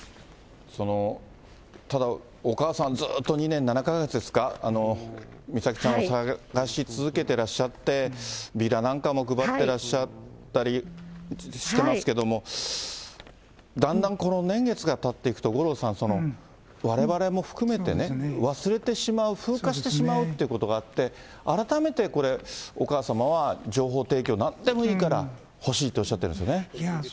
ただお母さん、ずっと２年７か月ですか、美咲ちゃんを捜し続けてらっしゃって、ビラなんかも配ってらっしゃったりもしてますけれども、だんだん年月がたっていくと、五郎さん、われわれも含めてね、忘れてしまう、風化してしまうっていうことがあって、改めてこれ、お母様は情報提供、なんでもいいから欲しいとおっしゃっていましたね。